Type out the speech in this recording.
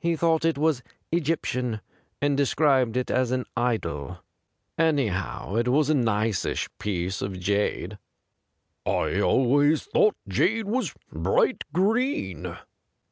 He thought it was Egyptian, and described it as an idol. Anyhow, it was a niceish piece of jade.' ' I always thought jade was bright green.'